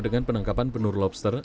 dengan penangkapan penur lobster